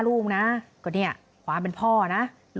คุยกับตำรวจเนี่ยคุยกับตำรวจเนี่ย